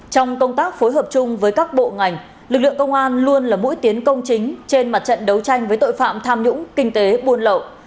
trong công tác phối hợp chung với các bộ ngành lực lượng công an luôn là mũi tiến công chính trên mặt trận đấu tranh với tội phạm tham nhũng kinh tế buôn lậu